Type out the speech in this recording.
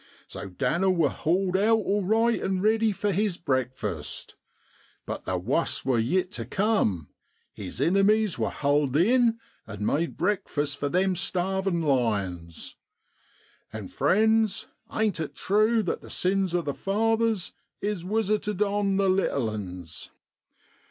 So Dan'i wor hauled out alright an' riddy for his breakfast. But the wust wor yit tu cum, his iniinies wor hulled in an' made breakfast for them starvin' lions. And friends, ain't it true that the sins of the fathers is wisited on the little uns